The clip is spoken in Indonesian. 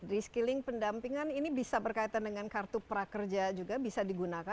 reskilling pendampingan ini bisa berkaitan dengan kartu prakerja juga bisa digunakan